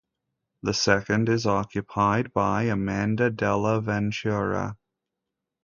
The second is occupied by Amanda Della Ventura.